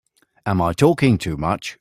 Am I talking too much?